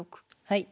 はい。